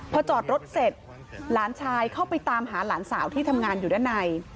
พอจอดรถเสร็จหลานชายเข้าไปตามหาหลานสาวที่ทำงานอยู่ด้านใน